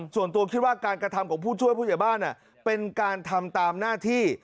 ส่วนตัวคิดว่าการกระทำของผู้ช่วยผู้ใหญ่บ้านเป็นการทำตามหน้าที่